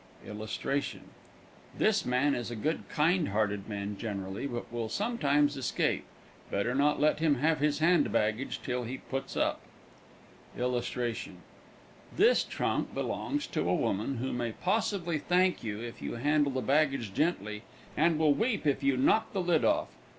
This man is a good, kind hearted man generally, but will sometimes escape. Better not let him have his hand baggage till he puts up. This trunk belongs to a woman who may possibly thank you if you handle the baggage gently and will weep if you knock the lid off.